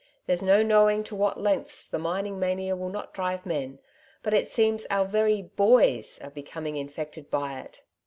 ''There's no knowing to what lengths the mining mania will not drive men ; but it seems our very hoys are becoming infected by it."